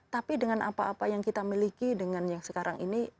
tapi dengan apa apa yang kita miliki dengan yang sekarang ini